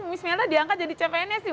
mis melda diangkat jadi cpns sih